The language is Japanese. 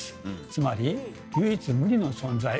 つまり唯一無二の存在。